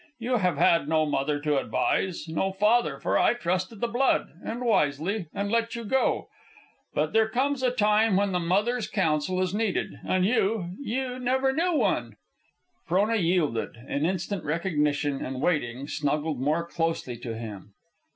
You have had no mother to advise; no father, for I trusted the blood, and wisely, and let you go. But there comes a time when the mother's counsel is needed, and you, you who never knew one?" Frona yielded, in instant recognition, and waiting, snuggled more closely to him.